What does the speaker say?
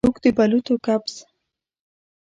څوک د بلوطو کپس